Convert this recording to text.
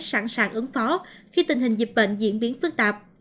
sẵn sàng ứng phó khi tình hình dịch bệnh diễn biến phức tạp